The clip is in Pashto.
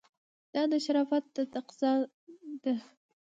دا د شرافت تقاضا ده.